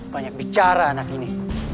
banyak bicara anak ini